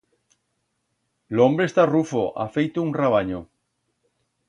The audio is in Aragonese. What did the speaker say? L'hombre está rufo, ha feito un rabanyo.